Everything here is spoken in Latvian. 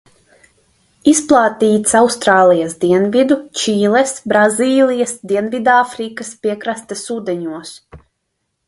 Izplatīts Austrālijas dienvidu, Čīles, Brazīlijas, Dienvidāfrikas piekrastes ūdeņos.